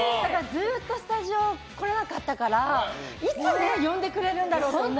ずっとスタジオに来られなかったからいつ呼んでくれるんだろうと思ってて。